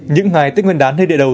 những ngày tích nguyên đán hơi địa đầu